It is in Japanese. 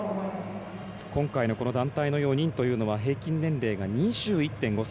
今回の団体の４人というのは平均年齢が２１．５歳。